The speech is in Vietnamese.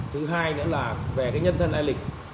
thứ hai nữa là về nhân thân ai lịch